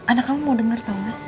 anak kamu mau dengar tau mas